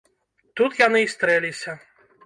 Тут яны й стрэліся.